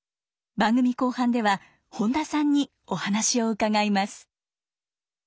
番組後半では本田さんにお話を伺います。